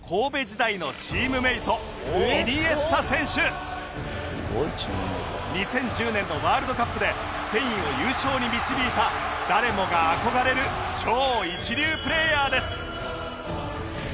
「すごいチームメイト」２０１０年のワールドカップでスペインを優勝に導いた誰もが憧れる超一流プレーヤーです